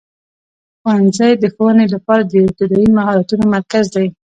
ښوونځی د ښوونې لپاره د ابتدایي مهارتونو مرکز دی.